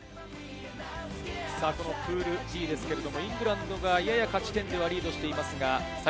プールＤ、イングランドがやや勝ち点ではリードしています。